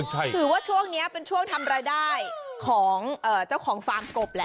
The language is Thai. ถือว่าช่วงนี้เป็นช่วงทำรายได้ของเจ้าของฟาร์มกบแหละ